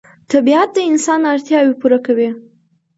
طبیعت د انسان اړتیاوې پوره کوي